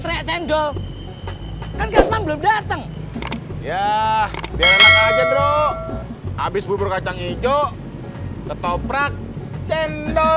teriak cendol kan belum dateng ya abis bubur kacang hijau ketoprak cendol